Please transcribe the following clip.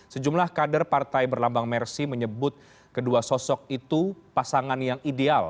sejumlah kader partai berlambang mersi menyebut kedua sosok itu pasangan yang ideal